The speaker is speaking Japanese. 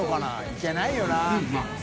いけないよな飯尾）